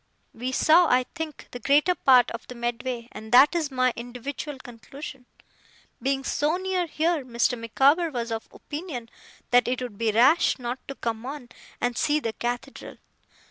We saw, I think, the greater part of the Medway; and that is my individual conclusion. Being so near here, Mr. Micawber was of opinion that it would be rash not to come on, and see the Cathedral.